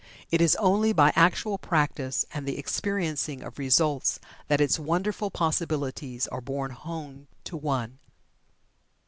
It is only by actual practice and the experiencing of results that its wonderful possibilities are borne home to one.